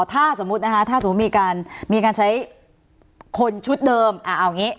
ถ้าสมมุตินะคะถ้าสมมุติมีการมีการใช้คนชุดเดิมเอาอย่างนี้